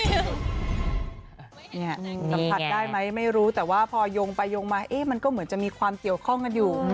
สัมผัสได้ไหมไม่รู้แต่ว่าพอยงไปโยงมาเอ๊ะมันก็เหมือนจะมีความเกี่ยวข้องกันอยู่